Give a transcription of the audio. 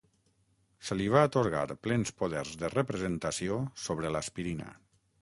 Se li va atorgar plens poders de representació sobre l'aspirina.